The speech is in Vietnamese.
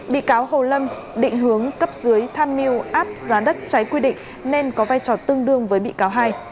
bị cáo hồ lâm định hướng cấp dưới tham mưu áp giá đất trái quy định nên có vai trò tương đương với bị cáo hai